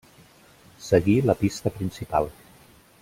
Seguir la pista principal.